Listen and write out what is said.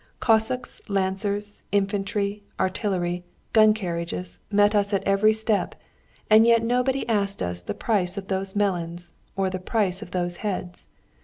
Cossacks, lancers, infantry, artillery, gun carriages, met us at every step, and yet nobody asked us the price of those melons or the price of those heads.